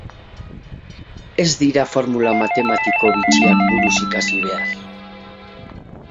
Ez dira formula matematiko bitxiak buruz ikasi behar.